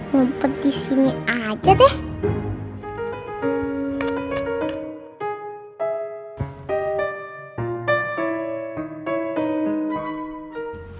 ngumpet di sini aja deh